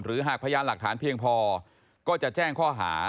หากพยานหลักฐานเพียงพอก็จะแจ้งข้อหา